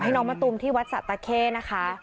น้องมะตูมที่วัดสะตาเข้นะคะ